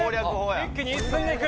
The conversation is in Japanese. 一気に進んでいく。